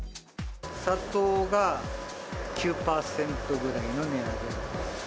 砂糖が９％ぐらいの値上げ。